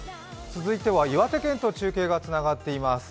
続いては岩手県と中継がつながっています。